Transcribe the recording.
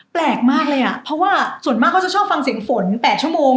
แปลกมากเลยอ่ะเพราะว่าส่วนมากเขาจะชอบฟังเสียงฝน๘ชั่วโมง